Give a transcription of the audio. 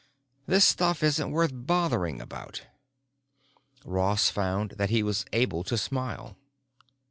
This stuff isn't worth bothering about." Ross found that he was able to smile.